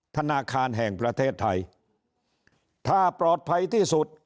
ธนาคารแห่งประเทศไทยถ้าปลอดภัยที่สุด